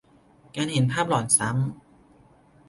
การเห็นภาพหลอนซ้ำ